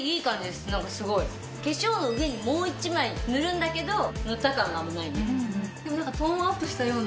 化粧の上にもう一枚塗るんだけど塗った感があんまりないね。